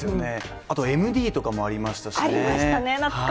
あとＭＤとかもありましたしね